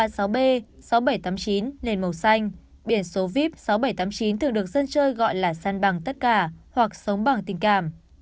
nên màu xanh biển số vip sáu nghìn bảy trăm tám mươi chín thường được dân chơi gọi là san bằng tất cả hoặc sống bằng tình cảm